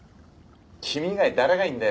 君以外誰がいるんだよ？